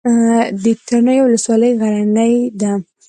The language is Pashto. د تڼیو ولسوالۍ غرنۍ ده